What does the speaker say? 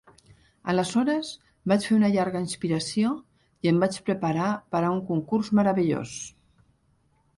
Aleshores, vaig fer una llarga inspiració i em vaig preparar per a un concurs meravellós.